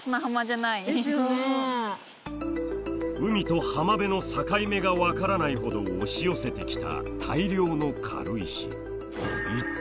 海と浜辺の境目が分からないほど押し寄せてきた大量の軽石。